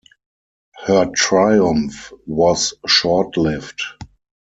Her triumph was short-lived.